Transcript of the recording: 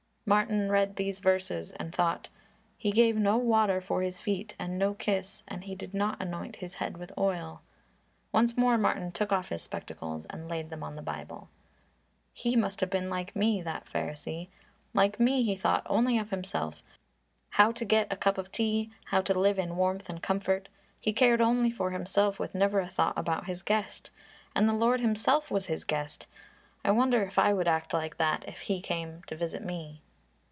Martin read these verses and thought, "He gave no water for His feet, and no kiss, and he did not anoint His head with oil." Once more Martin took off his spectacles and laid them on the Bible. "He must have been like me, that Pharisee. Like me he thought only of himself how to get a cup of tea, how to live in warmth and comfort. He cared only for himself, with never a thought about his guest. And the Lord Himself was his guest! I wonder if I would act like that if He came to visit me?"